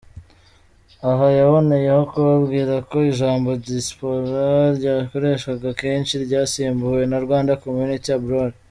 Aha yaboneyeho kubabwira ko ijambo dispora ryakoreshwaga kenshi, ryasimbuwe na ``Rwandan Community Abroad``.